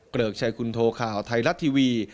ริกชัยคุณโทข่าวไทยรัฐทีวี